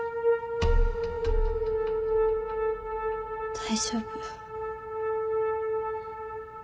大丈夫。